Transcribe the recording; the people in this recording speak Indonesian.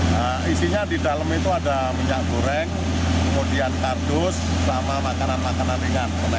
nah isinya di dalam itu ada minyak goreng kemudian kardus sama makanan makanan ringan